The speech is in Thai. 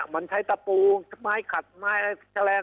มันใช้ตะปูไม้ขัดไม้แกรง